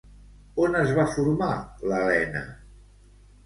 On es va formar l'Elena?